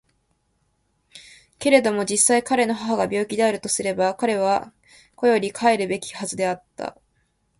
けれども実際彼の母が病気であるとすれば彼は固より帰るべきはずであった。